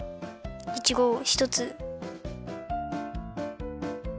いちごをひとつ。